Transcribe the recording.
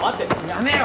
やめろ！